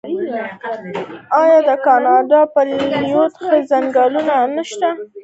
آیا د کاناډا په لویدیځ کې ځنګلونه نشته؟